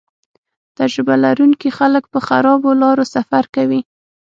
تجربه لرونکي خلک په خرابو لارو سفر کوي